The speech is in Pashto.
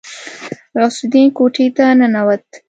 غوث الدين کوټې ته ننوت.